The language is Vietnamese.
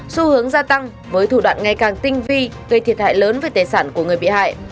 xu hướng gia tăng với thủ đoạn ngày càng tinh vi gây thiệt hại lớn về tài sản của người bị hại